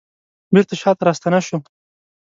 بیرته شاته راستنه شوم